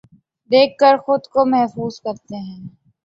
دیکھ کر خود کو محظوظ کرتے ہیں